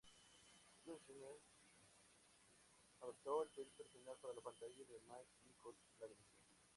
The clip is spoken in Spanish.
Kushner adaptó el texto original para la pantalla y Mike Nichols la dirigió.